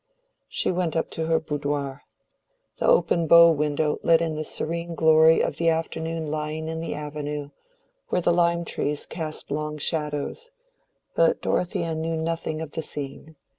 She went up to her boudoir. The open bow window let in the serene glory of the afternoon lying in the avenue, where the lime trees cast long shadows. But Dorothea knew nothing of the scene.